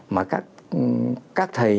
mà các thầy